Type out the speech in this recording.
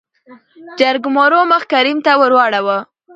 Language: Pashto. جرګمارو مخ کريم ته ورواړو .